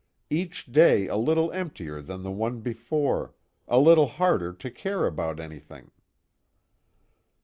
Each day a little emptier than the one before, a little harder to care about anything."